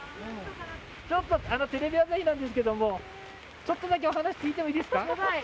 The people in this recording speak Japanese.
ちょっとテレビ朝日なんですけどもちょっとだけお話聞いてもいいですか？